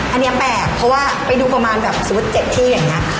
อันนี้แปลกเพราะว่าไปดูประมาณแบบ๐๗ที่อย่างนั้นค่ะ